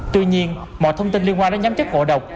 tuy nhiên mọi thông tin liên quan đến nhóm chất ngộ độc